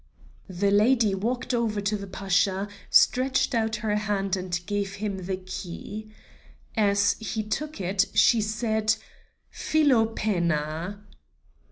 The lady walked over to the Pasha, stretched out her hand and gave him the key. As he took it, she said: "Philopena!"